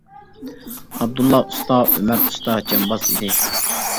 ئابدۇللا ئۇستا: ئۆمەر ئۇستا جامباز ئىدى.